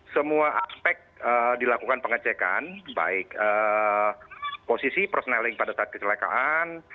semua aspek dilakukan pengecekan baik posisi personaling pada saat kecelakaan